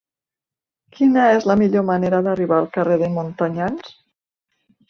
Quina és la millor manera d'arribar al carrer de Montanyans?